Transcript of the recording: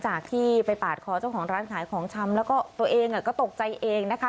จากที่ไปปาดคอเจ้าของร้านขายของชำแล้วก็ตัวเองก็ตกใจเองนะคะ